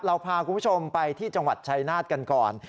เราพาคุณผู้ชมไปที่จังหวัดชายนาฏกันก่อน